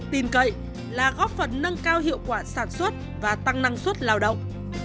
tin cậy là góp phần nâng cao hiệu quả sản xuất và tăng năng suất lao động